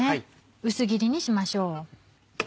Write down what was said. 薄切りにしましょう。